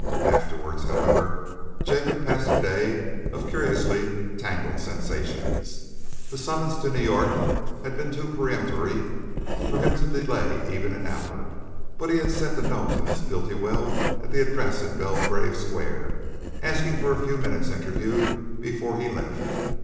Afterwards, however, Jacob passed a day of curiously tangled sensations. The summons to New York had been too peremptory for him to delay even an hour, but he had sent a note to Miss Bultiwell at the address in Belgrave Square, asking for a few minutes' interview before he left.